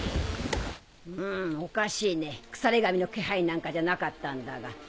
うんおかしいねクサレ神の気配なんかじゃなかったんだが。